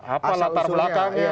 apa latar belakangnya